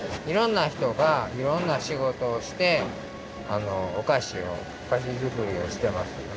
いろんなひとがいろんなしごとをしておかしをおかし作りをしてます。